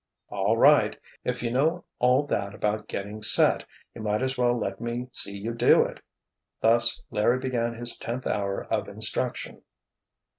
"All right! If you know all that about getting set, you might as well let me see you do it!" Thus Larry began his tenth hour of instruction.